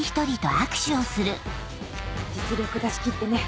実力出し切ってね。